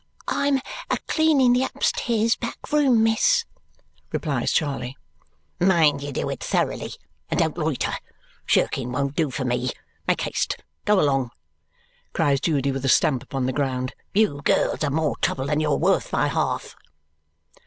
"I'm a cleaning the upstairs back room, miss," replies Charley. "Mind you do it thoroughly, and don't loiter. Shirking won't do for me. Make haste! Go along!" cries Judy with a stamp upon the ground. "You girls are more trouble than you're worth, by half."